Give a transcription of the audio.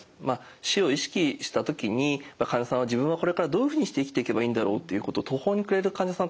死を意識した時に患者さんは自分はこれからどういうふうにして生きていけばいいんだろうっていうことを途方に暮れる患者さん